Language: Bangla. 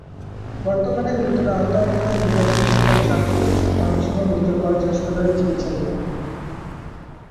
বর্তমানে গুরুতর আহত অবস্থায় নির্যাতনের শিকার ছাত্রী ময়মনসিংহ মেডিকেল কলেজ হাসপাতালে চিকিৎসাধীন।